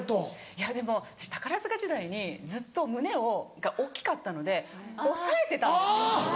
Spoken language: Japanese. いやでも私宝塚時代にずっと胸が大っきかったのでおさえてたんですよ。